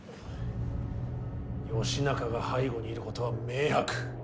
義仲が背後にいることは明白。